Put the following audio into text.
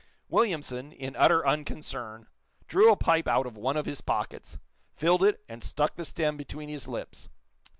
Williamson, in utter unconcern, drew a pipe out of one of his pockets, filled it, and stuck the stem between his lips.